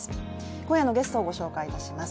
今夜のゲストをご紹介します。